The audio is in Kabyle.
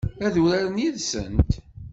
Ad uraren yid-sent?